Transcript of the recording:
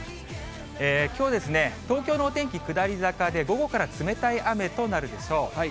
きょう、東京のお天気下り坂で、午後から冷たい雨となるでしょう。